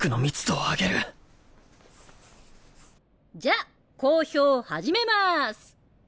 じゃあ講評始めます。